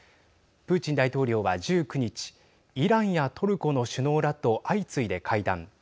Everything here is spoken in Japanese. プーチン大統領は１９日イランやトルコの首脳らと相次いで会談。